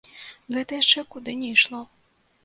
Гэта яшчэ куды не ішло.